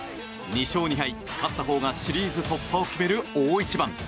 ２勝２敗、勝ったほうがシリーズ突破を決める大一番。